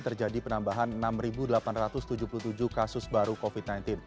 terjadi penambahan enam delapan ratus tujuh puluh tujuh kasus baru covid sembilan belas